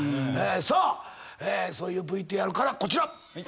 さあそういうＶＴＲからこちら。